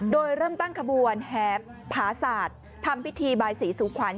โดยเริ่มตั้งขบวนแห่ผาศาสตร์ทำพิธีบายศรีสุขวัญ